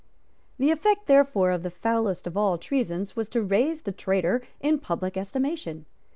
The effect therefore of the foulest of all treasons was to raise the traitor in public estimation.